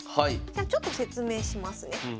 じゃあちょっと説明しますね。